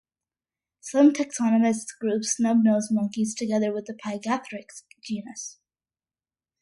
Some taxonomists group snub-nosed monkeys together with the "Pygathrix" genus.